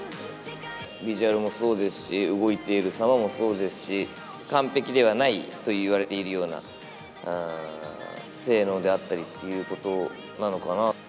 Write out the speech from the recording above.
ビジュアルもそうですし、動いているさまもそうですし、完璧ではないといわれているような性能であったりっていうことなのかな。